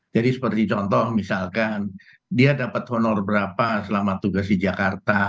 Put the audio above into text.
seperti contoh misalkan dia dapat honor berapa selama tugas di jakarta